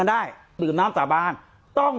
การแก้เคล็ดบางอย่างแค่นั้นเอง